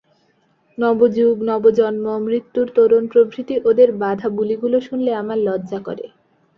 –নবযুগ, নবজন্ম, মৃত্যুর তোরণ প্রভৃতি ওদের বাঁধাবুলিগুলো শুনলে আমার লজ্জা করে।